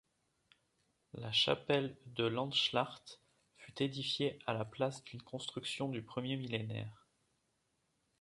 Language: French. La chapelle de Landschlacht fut édifiée à la place d'une construction du premier millénaire.